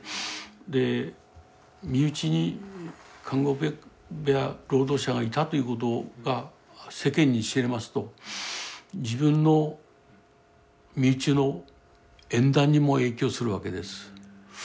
身内に監獄部屋労働者がいたということが世間に知れますと自分の身内の縁談にも影響するわけです。